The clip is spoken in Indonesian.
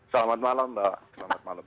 selamat malam mbak